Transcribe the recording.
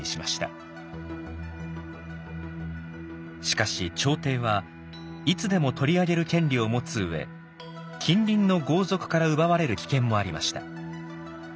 しかし朝廷はいつでも取り上げる権利を持つ上近隣の豪族から奪われる危険もありました。